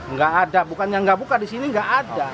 nggak ada bukan yang nggak buka di sini nggak ada